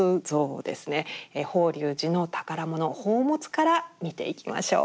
法隆寺の宝物宝物から見ていきましょう。